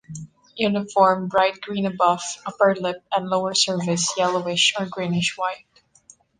Uniform bright green above; upper lip and lower surface yellowish or greenish white.